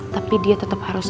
tapi dia tetep harus